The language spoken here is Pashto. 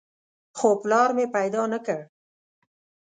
خو پلار مې پیدا نه کړ.